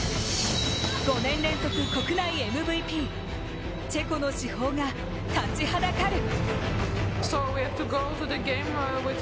５年連続国内МＶＰチェコの至宝が立ちはだかる。